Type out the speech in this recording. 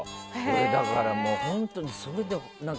俺、だから本当にそれで。